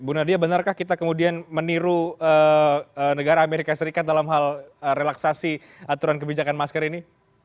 bu nadia benarkah kita kemudian meniru negara amerika serikat dalam hal relaksasi aturan kebijakan masker ini